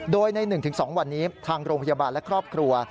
โดยใน๑๒วันนี้ทางโรงพยาบาลและครอบครัว